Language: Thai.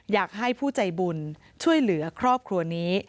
อยากให้ผู้ใจบุญช่วยเหลือครอบครัวนี้